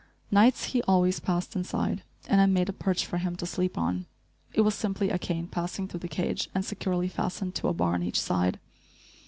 Nights, he always passed inside, and I made a perch for him to sleep on. It was simply a cane passing through the cage and securely fastened to a bar on each side.